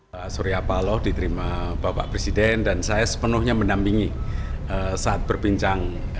pak surya paloh diterima bapak presiden dan saya sepenuhnya mendampingi saat berbincang